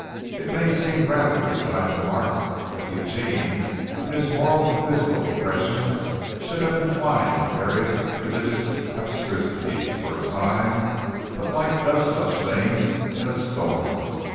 It may seem rather beside the mark that Eugene in his moral and physical depression should have inclined to various religious abstrusities for a time, but life does such things in a storm.